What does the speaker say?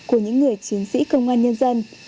của những người chiến sĩ công an nhân dân